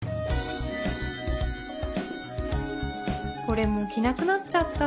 これも着なくなっちゃった